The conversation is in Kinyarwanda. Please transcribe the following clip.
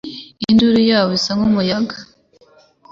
induru yabo isa n'umuyaga